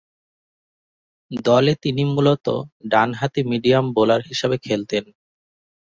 দলে তিনি মূলতঃ ডানহাতি মিডিয়াম বোলার হিসেবে খেলতেন।